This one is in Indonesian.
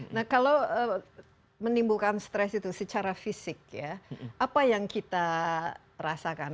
nah kalau menimbulkan stres itu secara fisik ya apa yang kita rasakan